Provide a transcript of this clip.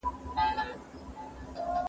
د مور دعا د اولاد په ژوند کې لوی بدلون راولي.